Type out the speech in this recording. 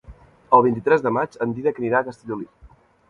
El vint-i-tres de maig en Dídac anirà a Castellolí.